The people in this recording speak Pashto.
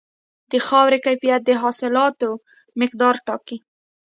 د خاورې کیفیت د حاصلاتو مقدار ټاکي.